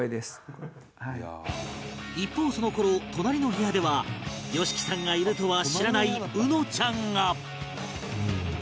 一方その頃隣の部屋では ＹＯＳＨＩＫＩ さんがいるとは知らないうのちゃんが